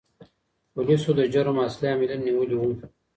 پولیسو د جرم اصلي عاملین نیولي وو.